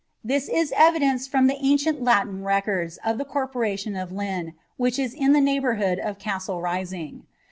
! j is evidenced from the ancient Ijiiin records of the corporation of [in,* which is in the neighbourhood of Castle Rising.